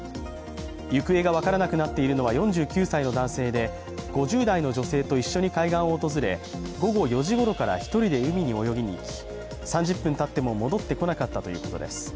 行方が分からなくなっているのは４９歳の男性で５０代の女性と一緒に海岸を訪れ、午後４時ごろから１人で海に泳ぎにいき３０分たっても戻ってこなかったということです